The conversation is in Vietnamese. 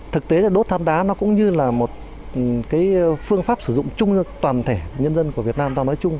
thực tế là đốt tham đá cũng như là một phương pháp sử dụng chung cho toàn thể nhân dân của việt nam